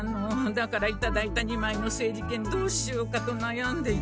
だからいただいた２まいの整理券どうしようかとなやんでいたの。